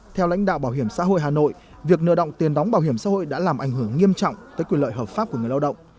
theo lãnh đạo bảo hiểm xã hội hà nội việc nợ động tiền đóng bảo hiểm xã hội đã làm ảnh hưởng nghiêm trọng tới quyền lợi hợp pháp của người lao động